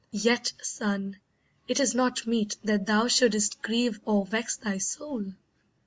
Yet, son, it is not meet that thou shouldst grieve Or vex thy soul.